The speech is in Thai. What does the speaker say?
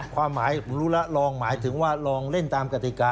ความหมายรู้แล้วลองหมายถึงว่าลองเล่นตามกติกา